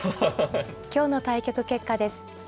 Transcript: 今日の対局結果です。